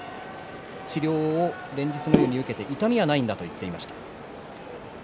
連日のように治療を受けて痛みはないんだと言っていました。